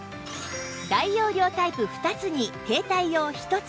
大容量タイプ２つに携帯用１つ